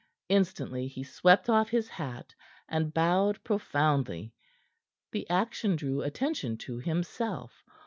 Instantly he swept off his hat, and bowed profoundly. The action drew attention to himself.